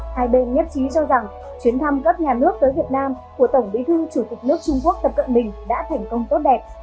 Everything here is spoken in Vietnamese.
hai bên nhất trí cho rằng chuyến thăm cấp nhà nước tới việt nam của tổng bí thư chủ tịch nước trung quốc tập cận bình đã thành công tốt đẹp